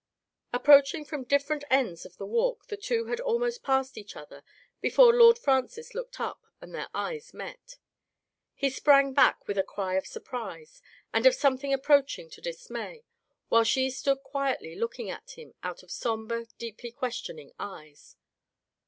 Digitized by Google A, COaTAAT DOYLE. 45 Approaching from different ends of the walk the two had almost passed each other before Lord Francis looked up, and their eyes met. He sprang back with a cry of surprise, and of some thing approaching to dismay, while she stood quietly looking at him out of somber, deeply questioning eyes.